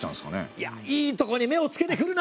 いやいいとこに目をつけてくるな！